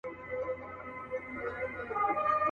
غوښتنه په زړه کي مه ساتی